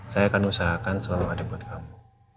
saya akan usahakan selalu ada buat kamu